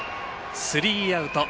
スリーアウト。